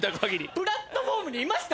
プラットホームにいました？